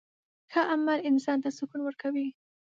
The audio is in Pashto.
ښه عمل انسان ته سکون ورکوي.